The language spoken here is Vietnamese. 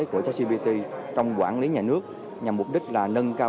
của trashcbt trong quản lý nhà nước nhằm mục đích là nâng cao